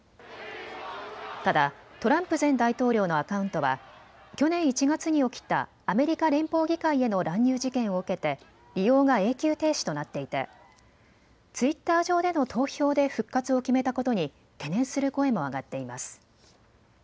ただトランプ前大統領のアカウントは、去年１月に起きたアメリカ連邦議会への乱入事件を受けて利用が永久停止となっていてツイッター上での投票で復活を決めたことに懸念する声も上がっています。